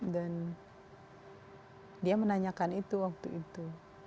dan dia menanyakan itu waktu itu